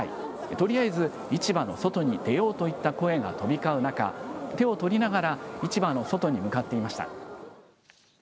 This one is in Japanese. とりあえず市場の外に出ようといった声が飛び交う中、手を取りながら、市場の外に向かっていました。